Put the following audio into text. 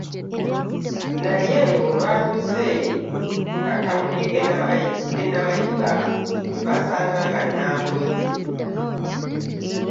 Naye olwatuuse mu katawuni k'e Namayiba ne basanga nga Nambooze